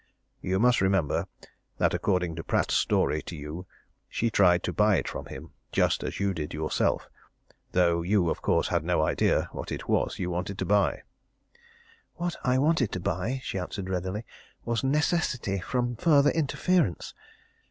"You must remember that according to Pratt's story to you, she tried to buy it from him just as you did yourself, though you, of course, had no idea of what it was you wanted to buy." "What I wanted to buy," she answered readily, "was necessity from further interference!